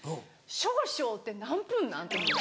少々って何分なん？って思う。